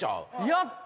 やった！